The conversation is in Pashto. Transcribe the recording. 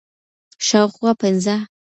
شاوخوا پنځه